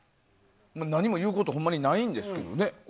何も言うことほんまにないんですけどね。